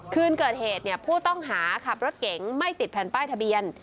คืนเกิดเหตุผู้ต้องหาขับรถเก๋งไม่ติดแผ่นป้ายทะเบียน